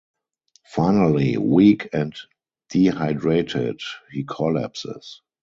Finally, weak and dehydrated, he collapses.